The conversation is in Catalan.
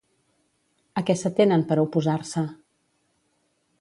A què s'atenen per a oposar-se?